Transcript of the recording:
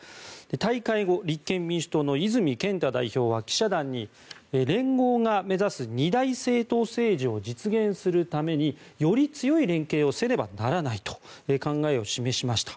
大会後、立憲民主党の泉健太代表は記者団に連合が目指す二大政党政治を実現するためにより強い連携をせねばならないと考えを示しました。